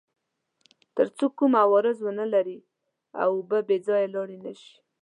تر څو کوم عوارض ونلري او اوبه بې ځایه لاړې نه شي.